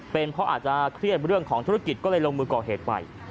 เป็นเพราะอาจจะเครียดเรื่องของธุรกิจก็เลยลงมือก่อเหตุไป